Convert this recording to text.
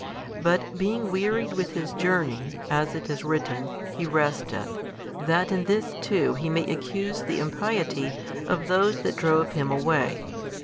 But being wearied with His journey, as it is written, He resteth, that in this too He may accuse the impiety of those that drove Him away.